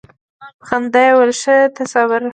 په خندا یې وویل ښه ته صبر.